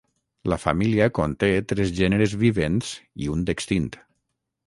La família conté tres gèneres vivents i un d'extint.